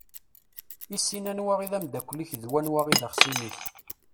Issin anwa i d amdakel-ik d wanwa i d axṣim-ik!